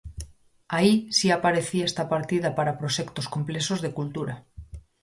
Aí si aparecía esta partida para "proxectos complexos de cultura".